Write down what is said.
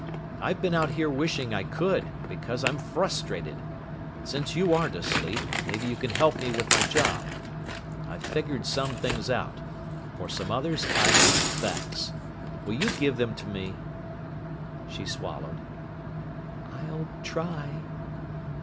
I've been out here wishing I could, because I'm frustrated. But since you aren't asleep maybe you can help me with my job. I've figured some things out. For some others I need facts. Will you give them to me?" She swallowed. "I'll try."